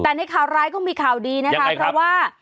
แต่ในข่าวร้ายก็มีข่าวดีนะคะยังไงครับเพราะว่า